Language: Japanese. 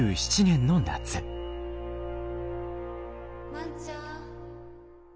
万ちゃん。